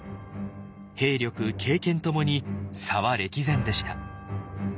兵力経験ともに差は歴然でした。